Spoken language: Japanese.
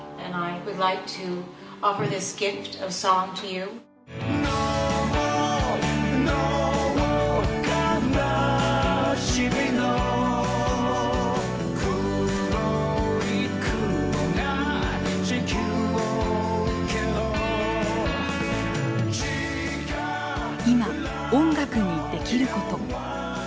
いま、音楽にできること。